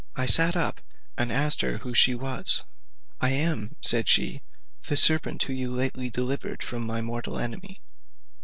I sat up, and asked her who she was? "I am," said she, "the serpent whom you lately delivered from my mortal enemy.